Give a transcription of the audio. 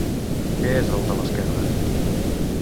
Què és el de l'esquerra?